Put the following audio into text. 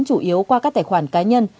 chủ yếu qua các tài khoản cá nhân